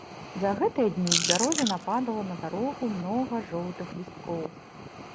За гэтыя дні з бярозы нападала на дарогу многа жоўтых лісткоў.